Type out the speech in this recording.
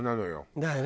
だよね。